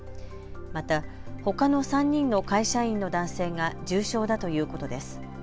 また、ほかの３人の会社員の男性が重傷だということです。